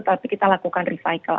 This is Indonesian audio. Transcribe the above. tapi kita lakukan recycle